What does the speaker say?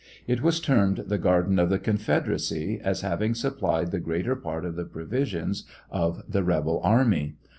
It was termed the garden of the confederacy, as having supplied the greater part of the provisions of the rebel army.